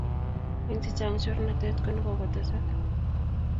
eng chechang chornatet ne kokotesak